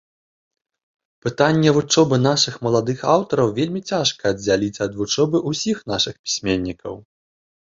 Пытанне вучобы нашых маладых аўтараў вельмі цяжка аддзяліць ад вучобы ўсіх нашых пісьменнікаў.